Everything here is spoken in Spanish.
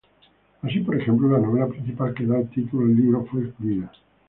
Así por ejemplo la novela principal que da el título al libro fue excluida.